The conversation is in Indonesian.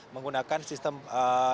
menggunakan sistem parking on street maksudnya